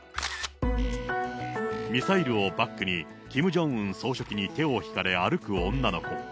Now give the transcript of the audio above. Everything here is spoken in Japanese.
ミサイルをバックに、キム・ジョンウン総書記に手を引かれ歩く女の子。